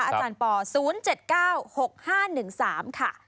อาจารย์ป๐๗๙๖๕๑๓ค่ะ